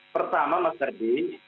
pertama mas gerdy